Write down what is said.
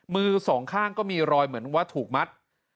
มือสองข้างก็มีรอยเหมือนว่าถูกมัด